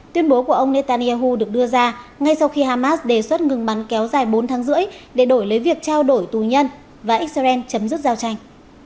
tuyên bố của ông netanyahu được đưa ra ngay sau khi hamas đề xuất ngừng bắn kéo dài bốn tháng rưỡi để đổi lấy việc trao đổi tù nhân và israel chấm dứt giao tranh